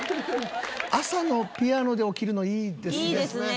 朝のピアノで起きるのいいですね。